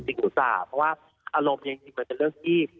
อุตส่าห์เพราะว่าอารมณ์จริงมันเป็นเรื่องที่